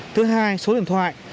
thứ hai số điện thoại